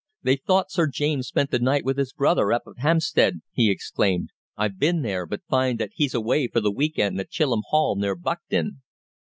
"They thought Sir James spent the night with his brother up at Hampstead," he exclaimed. "I've been there, but find that he's away for the week end at Chilham Hall, near Buckden."